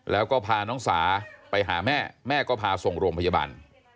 แล้วก็พาน้องสาไปหาแม่แม่ก็พาส่งโรงพยาบาล